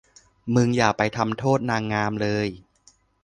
มึงอย่าไปโทษนางงามเลย